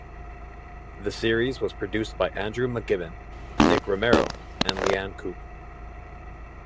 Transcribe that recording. The series was produced by Andrew McGibbon, Nick Romero and Lianne Coop.